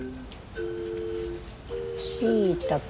しいたけ。